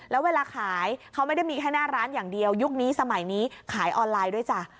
แล้วเวลาขายเขาไม่ได้มีแค่หน้าร้านอย่างเดียวยุคนี้สมัยนี้ขายออนไลน์ด้วยจ้ะ